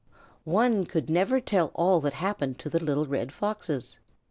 One could never tell all that happened to the little Red Foxes.